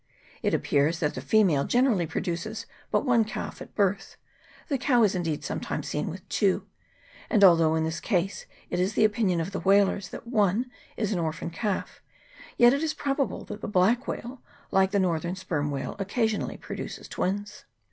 It appears that the female generally produces but one calf at a birth : the cow is indeed sometimes seen with two ; and although in this case it is the opinion of the whalers that one is an orphan calf, yet it is probable that the black whale, like the northern sperm whale, occasionally produces twins.